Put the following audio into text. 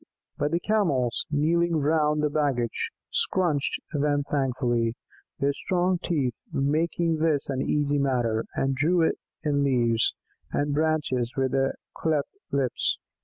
But the Camels, kneeling round the baggage, scrunched them thankfully, their strong teeth making this an easy matter, and drew in leaves and branches with their cleft lips.